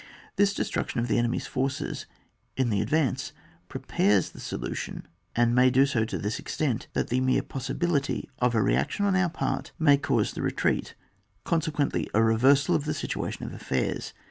This destruction of the enemy's forces in the advance pre pares the solution, and may do so to this extent, that the mere possibility of a reaction on our part may cause the re treat, consequently a reversal of the situation of ciffairs.